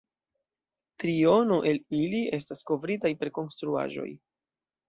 Triono el ili estas kovritaj per konstruaĵoj.